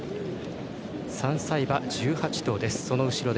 ３歳馬１８頭です。